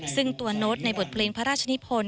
ซึ่งตัวโน้ตในบทเพลงพระราชนิพล